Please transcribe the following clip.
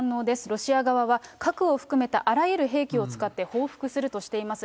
ロシア側は核を含めたあらゆる兵器を使って報復するとしています。